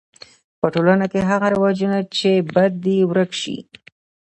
په ټولنه کی هغه رواجونه چي بد دي ورک سي.